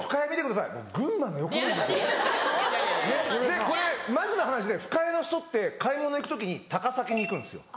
でこれマジな話で深谷の人って買い物行く時に高崎に行くんですよ。